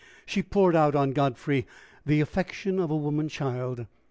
She poured out on Godfrey the affection of a womanchild.